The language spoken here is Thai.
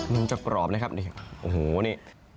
มันจะกรอบนะครับนี่โอ้โหนี่